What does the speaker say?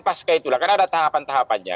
pas ke itulah karena ada tahapan tahapannya